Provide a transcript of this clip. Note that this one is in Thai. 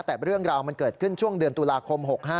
แต่เรื่องราวมันเกิดขึ้นช่วงเดือนตุลาคม๖๕